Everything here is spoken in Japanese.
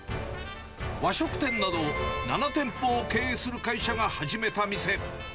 和食店など、７店舗を経営する会社が始めた店。